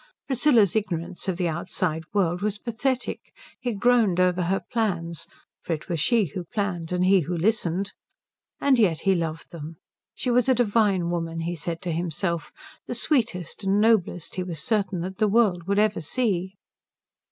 Priscilla's ignorance of the outside world was pathetic. He groaned over her plans for it was she who planned and he who listened and yet he loved them. She was a divine woman, he said to himself; the sweetest and noblest, he was certain, that the world would ever see.